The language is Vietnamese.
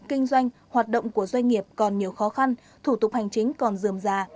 kinh doanh hoạt động của doanh nghiệp còn nhiều khó khăn thủ tục hành chính còn dườm già